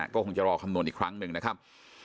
ก็คงจะรอคำนวณอีกครั้งหนึ่งนะครับ